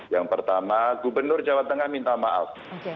yang pertama gubernur jawa tengah minta maaf